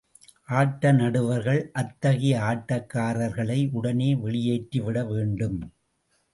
ஆட்ட நடுவர்கள், அத்தகைய ஆட்டக்காரர்களை உடனே வெளியேற்றிவிட வேண்டும்.